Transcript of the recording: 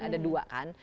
ada dua kan